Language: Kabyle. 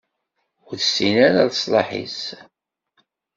Ur tessin ara leṣlaḥ-is.